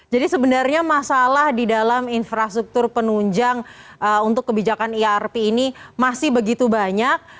jadi sebenarnya masalah di dalam infrastruktur penunjang untuk kebijakan irp ini masih begitu banyak